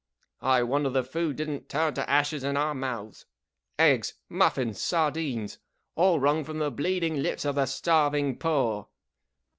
" I wonder the food didn't turn to ashes in our mouths ! Eggs ! Muffins ! Sardines ! All wrung from the bleeding lips of the starving poor